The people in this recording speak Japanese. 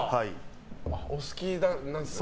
お好きなんですね。